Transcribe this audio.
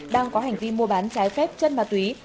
đang có hành vi mua bán trái phép chân ma túy